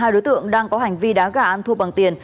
một mươi hai đối tượng đang có hành vi đá gà ăn thua bằng tiền